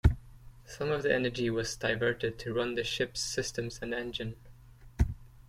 Some of the energy was diverted to run the ship's systems and engine.